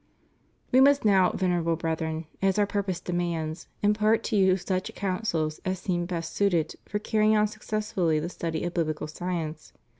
We must now. Venerable Brethren, as Our purpose demands, impart to you such counsels as seem best suited for carrjdng on successfully the study of biblical science.